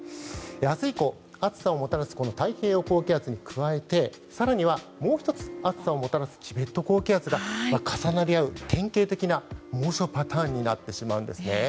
明日以降、暑さをもたらす太平洋高気圧に加えて更には、もう１つ暑さをもたらすチベット高気圧が重なり合う、典型的な猛暑パターンになってしまうんですね。